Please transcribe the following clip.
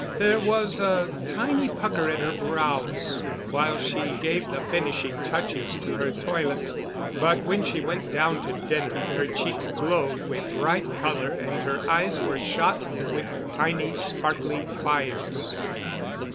There was a tiny pucker at her brows while she gave the finishing touches to her toilet; but when she went down to dinner her cheeks glowed with ripe color and her eyes were shot with tiny sparkling fires.